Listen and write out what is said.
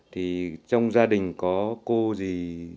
trong gia đình có cô gì